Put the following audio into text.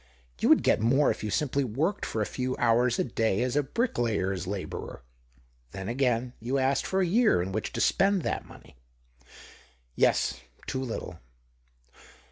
You would get more if you simply worked for a few hours a day as a bricklayer's labourer. Then, again, you asked for a year in which to spend that money." "Yes, too little."